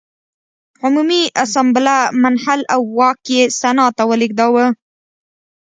عمومي اسامبله منحل او واک یې سنا ته ولېږداوه.